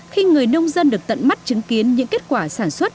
khi người nông dân được tận mắt chứng kiến những kết quả sản xuất